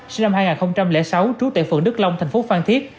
sinh năm hai nghìn sáu trú tại phường đức long thành phố phan thiết